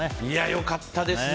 良かったですね。